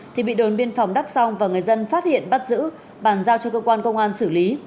thì bị đồn biên phòng đắc song và người dân phát hiện bắt giữ bàn giao cho cơ quan công an xử lý